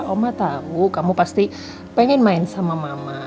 oma tahu kamu pasti pengen main sama mama